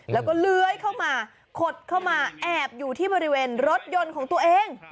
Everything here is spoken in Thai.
แล้วก็เลื้อยเข้ามาขดเข้ามาแอบอยู่ที่บริเวณรถยนต์ของตัวเอง